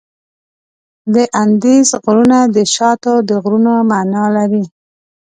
د اندیز غرونه د شاتو د غرونو معنا لري.